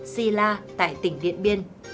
sila tại tỉnh điện biên